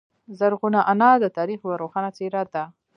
زرغونه انا د تاریخ یوه روښانه څیره ده.